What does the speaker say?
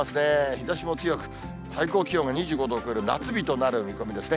日ざしも強く、最高気温が２５度を超える夏日となる見込みですね。